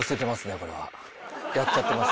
これやっちゃってます。